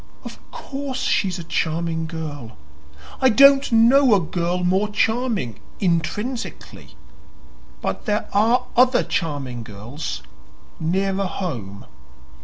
"Of course she's a charming girl. I don't know a girl more charming, intrinsically. But there are other charming girls nearer home."